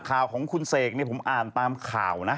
ข่าวของคุณเสกเนี่ยผมอ่านตามข่าวนะ